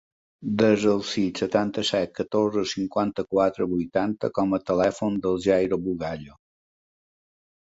Desa el sis, setanta-set, catorze, cinquanta-quatre, vuitanta com a telèfon del Jairo Bugallo.